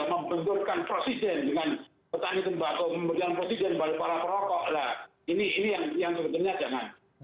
membenturkan presiden dengan petani tembako memberikan presiden pada para rokok